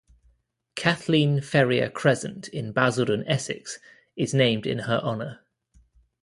Kathleen Ferrier Crescent, in Basildon, Essex, is named in her honour.